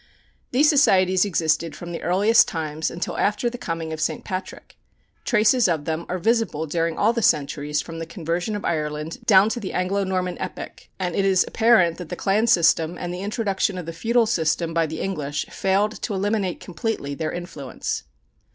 These societies existed from the earliest times until after the coming of St. Patrick. Traces of them are visible during all the centuries from the conversion of Ireland down to the Anglo Norman epoch, and it is apparent that the clan system and the introduction of the feudal system by the English failed to eliminate completely their influence.